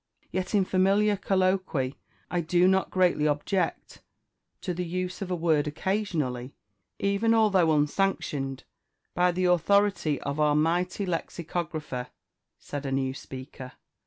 "Yet in familiar colloquy, I do not greatly object to the use of a word occasionally, even although unsanctioned by the authority of our mighty Lexicographer," said a new speaker.